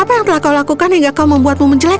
apa yang telah kau lakukan hingga kau membuatmu menjelang